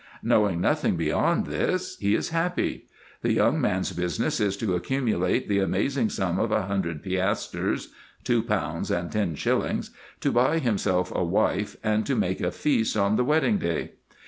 Knowing nothing beyond this, he is happy. The young man's business is to accu mulate the amazing sum of a hundred piasters (two pounds and ten shillings) to buy himself a wife, and to make a feast on the wedding day.